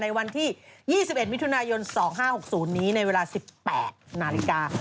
ในวันที่๒๑มิถุนายน๒๕๖๐นี้ในเวลา๑๘นาฬิกา